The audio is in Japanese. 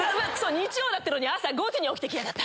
日曜だってのに朝５時に起きて来やがった。